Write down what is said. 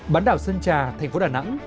bán đảo sơn trà thành phố đà nẵng